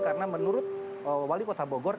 karena menurut wali kota bogor